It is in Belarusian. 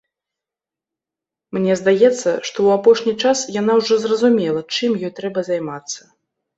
Мне здаецца, што ў апошні час яна ўжо зразумела, чым ёй трэба займацца.